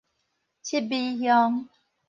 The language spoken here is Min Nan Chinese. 七美鄉